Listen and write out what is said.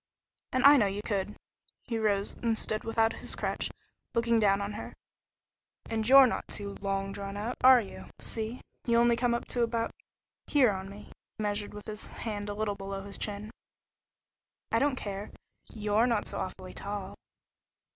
"And I know you could." He rose and stood without his crutch, looking down on her. "And you're not 'too long drawn out,' are you? See? You only come up to about here on me." He measured with his hand a little below his chin. "I don't care. You're not so awfully tall."